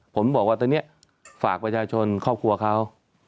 ผมบอกว่าตอนนี้ฝากประชาชนครอบครัวเขา